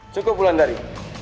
cukup bulan dari